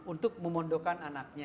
untuk memondokan anaknya